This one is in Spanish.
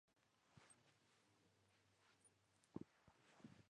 Juega de delantero y su equipo actual es Club Irapuato.